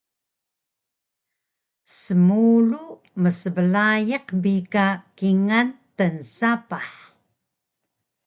Smulu msblaiq bi ka kingal tnsapah